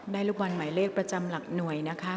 ลูกบอลหมายเลขประจำหลักหน่วยนะคะ